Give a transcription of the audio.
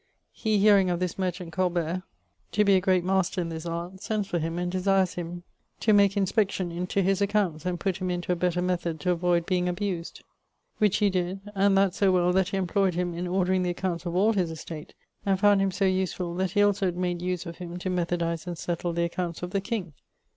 He hearing of this merchant Colbert to be a great master in this art, sends for him and desires him to make inspection into his accounts and putt him into a better method to avoyd being abused. Which he did, and that so well that he imployed him in ordering the accounts of all his estate and found him so usefull that he also made use of him to methodize and settle the accompts of the king.